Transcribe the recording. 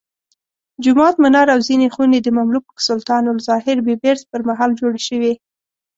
جومات، منار او ځینې خونې د مملوک سلطان الظاهر بیبرس پرمهال جوړې شوې.